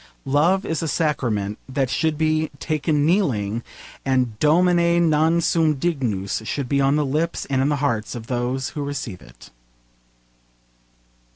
Love is a sacrament that should be taken kneeling, and Domine, non sum dignus should be on the lips and in the hearts of those who receive it.